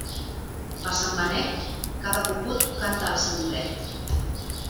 Per Sant Benet, cada cucut canta al seu indret.